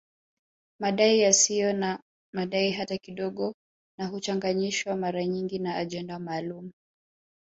Madai yasiyo na madai hata kidogo na huchanganyishwa mara nyingi na ajenda maalum